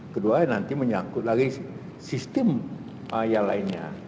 kedua nanti menyangkut lagi sistem yang lainnya